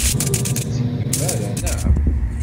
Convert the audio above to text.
Ur t-tettgem ara, naɣ?